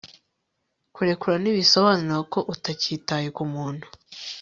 kurekura ntibisobanura ko utakitaye ku muntu